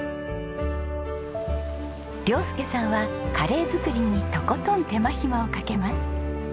亮佑さんはカレー作りにとことん手間暇をかけます。